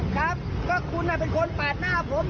ครับก็คุณเป็นคนปาดหน้าผม